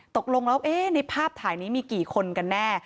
ตกลงแล้วในภาพถ่ายนี้มีกี่คนกันแน่